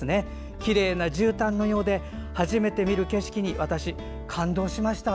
きれいなじゅうたんのようで初めて見る景色に私、感動しました。